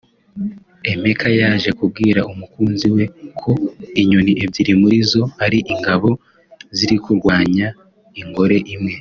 Emeka yaje kubwira umukunzi we ko inyoni ebyiri muri zo ari ingabo ziri kurwanya ingore imwe